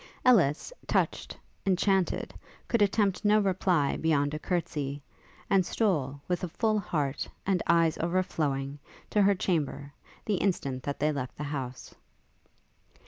Ellis, touched, enchanted, could attempt no reply beyond a courtesy, and stole, with a full heart, and eyes overflowing, to her chamber, the instant that they left the house.